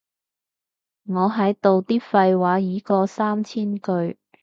我喺度啲廢話已過三千句